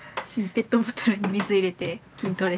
ペットボトルに水入れて筋トレ？